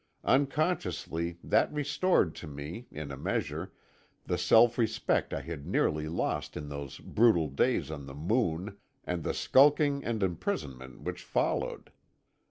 Unconsciously that restored to me, in a measure, the self respect I had nearly lost in those brutal days on the Moon, and the skulking and imprisonment which followed.